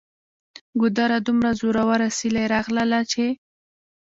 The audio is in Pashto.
ګودره! دومره زوروره سیلۍ راغلله چې